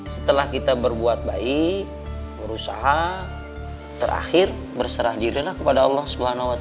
setelah kita berbuat baik berusaha terakhir berserah dirinya kepada allah swt